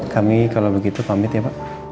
kami kalau begitu pamit ya pak